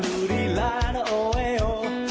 อ้อนี่แหละฮะ